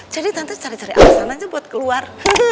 jadi tante cari cari alasan aja buat keluar